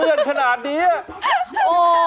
เป้อนขนาดดีอะ